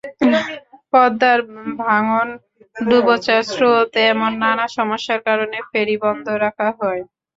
পদ্মার ভাঙন, ডুবোচর, স্রোত—এমন নানা সমস্যার কারণে ফেরি বন্ধ রাখা হয়।